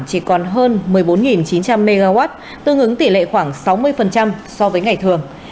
chỉ còn hơn một mươi bốn chín trăm linh mw tương ứng tỷ lệ khoảng sáu mươi so với ngày thường